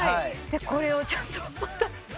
これをちょっとまた。